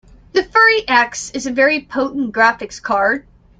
The Fury X is a very potent graphics card.